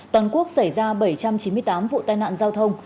toàn quốc xảy ra bảy trăm chín mươi tám vụ tai nạn giao thông